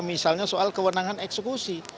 misalnya soal kewenangan eksekusi